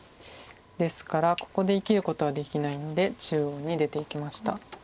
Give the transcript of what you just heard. ですからここで生きることはできないので中央に出ていきました。